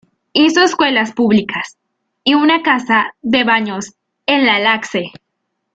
Hizo escuelas públicas y una casa de baños en la Laxe.